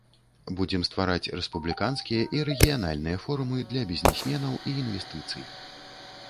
Будзем ствараць рэспубліканскія і рэгіянальныя форумы для бізнесменаў і інвестыцый.